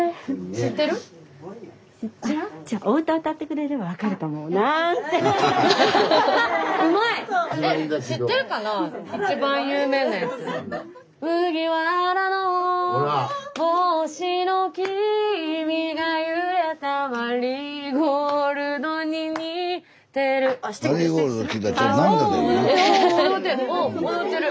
知ってる？